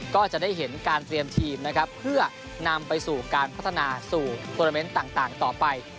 ก็จะได้เห็นการเตรียมทีมนะครับเพื่อนำไปสู่การพัฒนาสู่โทรเมนต์ต่างต่อไป